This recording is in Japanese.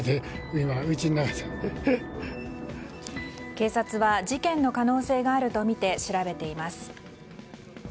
警察は事件の可能性があるとみて調べています。